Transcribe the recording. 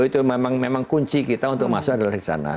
itu memang kunci kita untuk masuk adalah ke sana